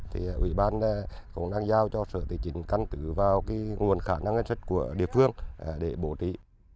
chúng tôi cũng đang giao cho sở tài chính căn cứ vào nguồn khả năng chất của địa phương để bổ trị